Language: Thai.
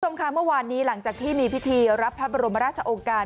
ค่ะเมื่อวานนี้หลังจากที่มีพิธีรับพระบรมราชองค์การ